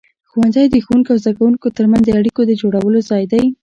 ښوونځی د ښوونکو او زده کوونکو ترمنځ د اړیکو د جوړولو ځای دی.